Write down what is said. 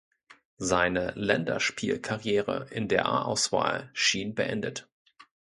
Seine Länderspielkarriere in der A-Auswahl schien beendet.